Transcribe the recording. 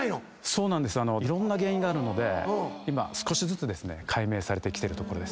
いろんな原因があるので今少しずつ解明されてきてるところです。